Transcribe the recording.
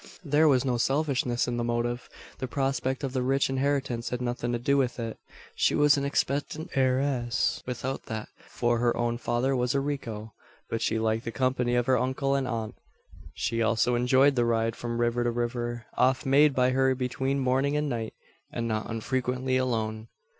There was no selfishness in the motive. The prospect of the rich inheritance had nothing to do with it. She was an expectant heiress without that: for her own father was a rico. But she liked the company of her uncle and aunt. She also enjoyed the ride from river to river oft made by her between morning and night, and not unfrequently alone!